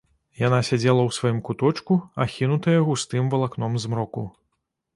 Яна сядзела ў сваім куточку, ахінутая густым валакном змроку.